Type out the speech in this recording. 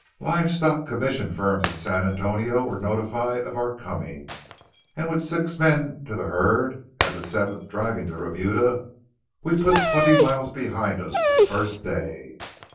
Live stock commission firms in San Antonio were notified of our coming, and with six men to the herd and the seventh driving the remuda, we put twenty miles behind us the first day.